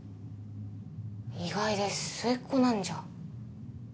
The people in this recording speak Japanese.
意外です末っ子なんじゃ。